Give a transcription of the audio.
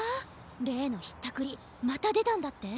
れいのひったくりまたでたんだって？